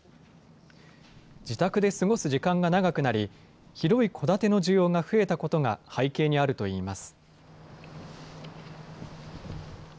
自宅で過ごす時間が長くなり、広い戸建ての需要が増えたことが背景にあるといいます。